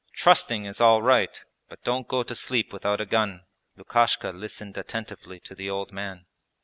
Trusting is all right, but don't go to sleep without a gun.' Lukashka listened attentively to the old man.